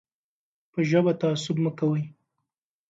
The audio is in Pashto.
په ژبه تعصب مه کوئ.